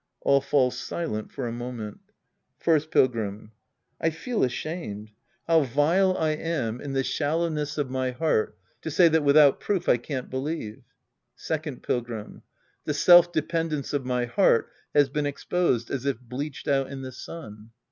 {All fall silent for a moment^ First Pilgrim. I feel ashamed. How vile I am in 52 "the Priest and His Disciples Act 11 the shallowness of my heart to say that without proof I can't believe ! Second Pilgrim. The self dependence of my heart has been exposed as if bleached out in the sun.